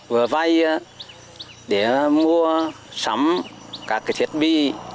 vừa vay để mua sắm các thiết bị